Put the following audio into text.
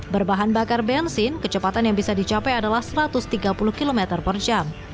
berbahan bakar bensin kecepatan yang bisa dicapai adalah satu ratus tiga puluh km per jam